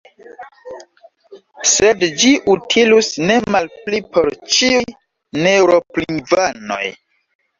Sed ĝi utilus ne malpli por ĉiuj neeŭrop-lingvanoj.